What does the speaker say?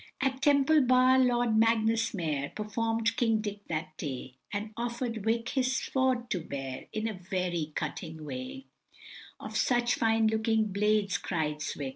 At Temple Bar, Lord Magnus Mayor, Perform'd King Dick that day, And offer'd Vic. his sword so bare, In a werry cutting way, "Of such fine looking blades," cries Vic.